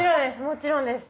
もちろんです。